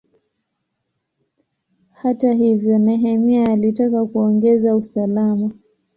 Hata hivyo, Nehemia alitaka kuongeza usalama.